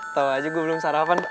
tau aja gue belum sarapan